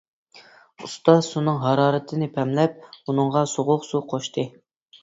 ئۇستا سۇنىڭ ھارارىتىنى پەملەپ، ئۇنىڭغا سوغۇق سۇ قوشتى.